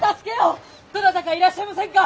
どなたかいらっしゃいませんか！